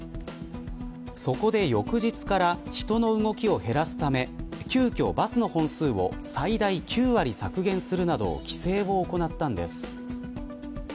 そこで、翌日から人の動きを減らすため急きょ、バスの本数を最大９割削減するなど規制を行ったのです。